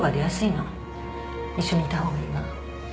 一緒にいた方がいいわ。